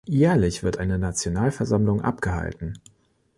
Jährlich wird eine Nationalversammlung abgehalten.